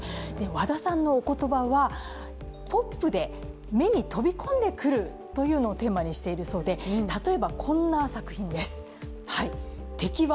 和田さんのお言葉は、ポップで目に飛び込んでくるというのをテーマにしているようでテーマにしているそうで例えばこんな作品です。